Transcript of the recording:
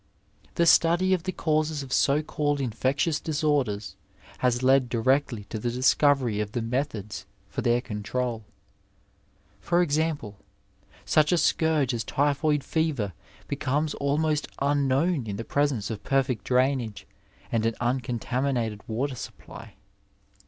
The study of the causes of so called infectious disorders has led directly to the discovery of the methods for their control, for example, such a scourge as typhoid fever becomes almost unknown in the presence of perfect drainage and an uncontaminated water supply.